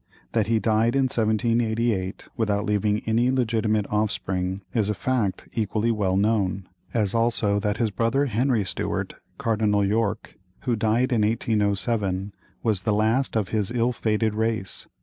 That he died in 1788, without leaving any legitimate offspring, is a fact equally well known; as also that his brother Henry Stuart, Cardinal York, who died in 1807, was the last of his ill fated race.